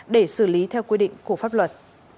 để xử lý theo quy định của pháp luật